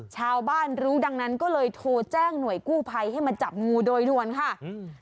ชาวบ้านรู้ดังนั้นก็เลยโทรแจ้งหน่วยกู้ภัยให้มาจับงูโดยด่วนค่ะอืม